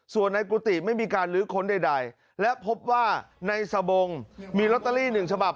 ส่วนในกุฏิไม่มีการลื้อค้นใดและพบว่าในสบงมีลอตเตอรี่หนึ่งฉบับ